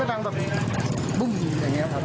อยู่ชั้นสองครับยินเสียงมันดังยังไงครับ